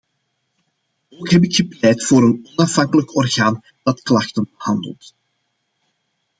Ook heb ik gepleit voor een onafhankelijk orgaan dat klachten behandelt.